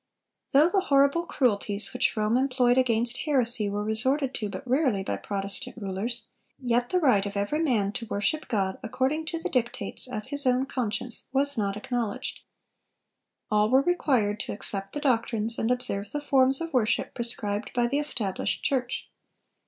Though the horrible cruelties which Rome employed against heresy were resorted to but rarely by Protestant rulers, yet the right of every man to worship God according to the dictates of his own conscience was not acknowledged. All were required to accept the doctrines and observe the forms of worship prescribed by the established church.